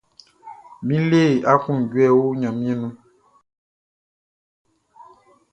Mi le akloundjouê oh Gnanmien nou.